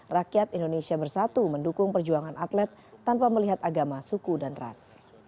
rakyat indonesia bersatu mendukung perjuangan atlet tanpa melihat agama suku dan ras